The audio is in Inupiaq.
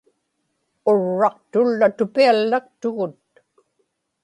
urraqtullatupiallaktugut